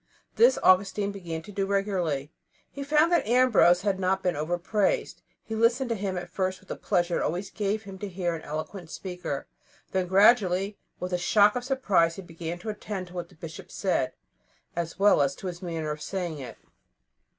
This Augustine began to do regularly. He found that Ambrose had not been overpraised. He listened to him at first with the pleasure it always gave him to hear an eloquent speaker; then, gradually, with a shock of surprise, he began to attend to what the Bishop said, as well as to his manner of saying it.